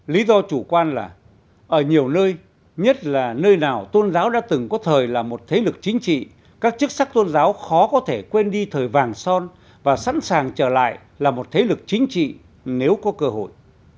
lý do chủ quan là ở nhiều nơi nhất là nơi nào tôn giáo đã từng có thời là một thế lực chính trị các chức sắc tôn giáo khó có thể quên đi thời vàng son và sẵn sàng trở lại là một thế lực chính trị nếu có cơ hội